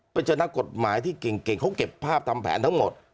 เป็นเจ้านักกฎหมายที่เก่งเก่งเขาเก็บภาพทำแผนทั้งหมด